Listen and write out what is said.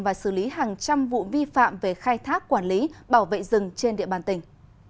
và xử lý hàng trăm vụ vi phạm về khai thác quản lý bảo vệ rừng trên địa bàn tỉnh